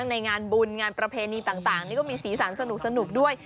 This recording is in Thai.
ในงานบุญงานประเพณีต่างนี่ก็มีสีสันสนุกด้วย